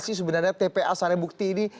sebenarnya tpa sarai bukti ini